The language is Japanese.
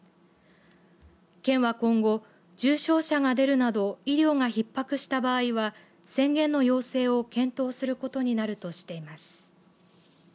県は今後重傷者が出るなど医療がひっ迫した場合は宣言の要請を検討することになるとしています。